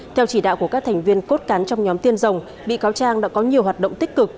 theo chỉ đạo của các thành viên cốt cán trong nhóm tiên rồng bị cáo trang đã có nhiều hoạt động tích cực